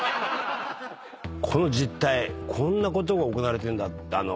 この実態こんなことが行われてるんだって盗聴して。